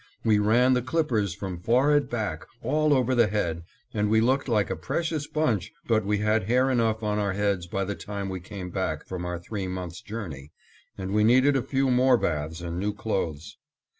We ran the clippers from forehead back, all over the head, and we looked like a precious bunch but we had hair enough on our heads by the time we came back from our three months' journey, and we needed a few more baths and new clothes.